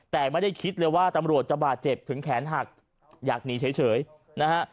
แต่ไม่ได้คิดเลยว่าตำรวจจะบาดเจ็บถึงแขนหักอยากหนีเฉยนะฮะ